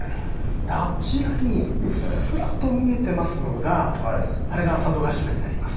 あちらにうっすらと見えてますのがあれが佐渡島になります。